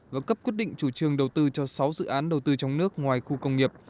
và cấp quyết định chủ trương đầu tư cho sáu dự án đầu tư trong nước ngoài khu công nghiệp